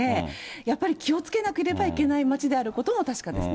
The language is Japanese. やっぱり気をつけなければいけない街であることは確かですね。